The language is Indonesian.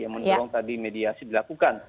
yang mendorong tadi mediasi dilakukan